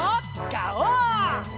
ガオー！